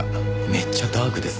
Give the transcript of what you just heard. めっちゃダークですね。